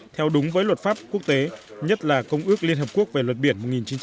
theo đúng với luật pháp quốc tế nhất là công ước liên hợp quốc về luật biển một nghìn chín trăm tám mươi hai